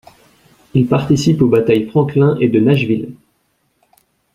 Il participe aux batailles Franklin et de Nashville.